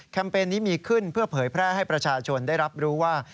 เปญนี้มีขึ้นเพื่อเผยแพร่ให้ประชาชนได้รับรู้ว่า